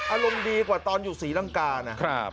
อารมณ์ดีกว่าตอนอยู่ศรีลังกานะ